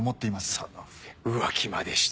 その上浮気までして。